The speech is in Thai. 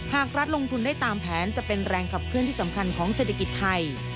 หากรัฐลงทุนได้ตามแผนจะเป็นแรงขับเคลื่อนที่สำคัญของเศรษฐกิจไทย